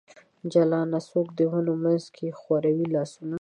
جلانه ! څوک د ونو منځ کې خوروي لاسونه ؟